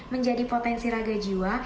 menjadi potensi raga jiwa